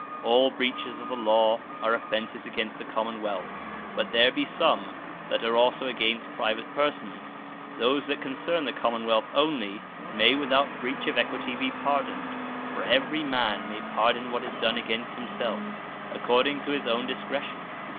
All breaches of the Law, are offences against the Common wealth: but there be some, that are also against private Persons. Those that concern the Common wealth onely, may without breach of Equity be pardoned; for every man may pardon what is done against himselfe, according to his own discretion.